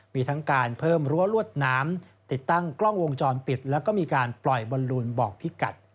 มีทั้งการเพิ่มรั้วลวดน้ำติดตั้งกล้องวงจรปิดแล้วก็มีการปล่อยบอลลูนบอกพิกัด